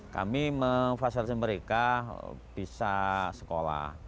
kami memfasilitasi mereka bisa sekolah